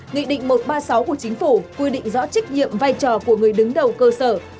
nghị định một trăm ba mươi sáu của chính phủ quy định rõ trách nhiệm vai trò của người đứng đầu cơ sở